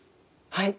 はい。